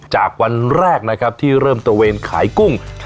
จากวันแรกนะครับที่เริ่มตระเวนขายกุ้ง